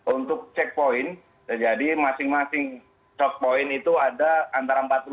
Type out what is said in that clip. untuk checkpoint jadi masing masing checkpoint itu ada antara empat puluh lima